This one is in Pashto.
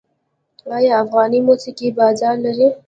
آیا افغاني موسیقي بازار لري؟